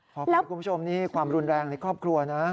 ขออภัยคุณผู้ชมนี่ความรุนแรงในครอบครัวนะ